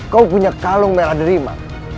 kau punya kalung merah derima